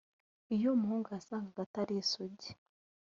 Iyo umuhungu yasangaga atari isugi